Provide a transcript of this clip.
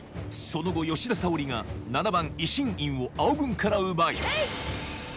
その後吉田沙保里が７番神院を青軍から奪いえい！